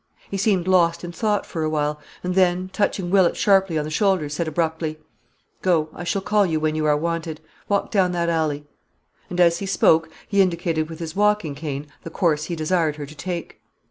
He seemed lost in thought for a while, and then, touching Willett sharply on the shoulder, said abruptly: "Go; I shall call you when you are wanted. Walk down that alley." And, as he spoke, he indicated with his walking cane the course he desired her to take.